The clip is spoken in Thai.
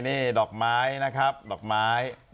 นี่ดอกไม้นะครับดอกไม้